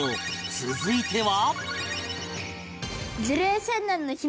続いては